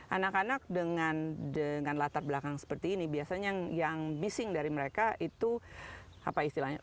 anak anak dengan latar belakang seperti ini biasanya yang bising dari mereka itu apa istilahnya